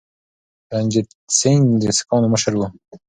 رنجیت سنګ د سکانو مشر و.